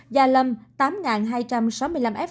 gia lâm tám hai trăm sáu mươi bảy ca f